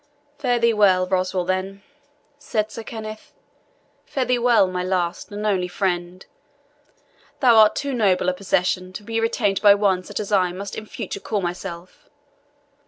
"Fare thee well, Roswal, then," said Sir Kenneth "fare thee well, my last and only friend thou art too noble a possession to be retained by one such as I must in future call myself!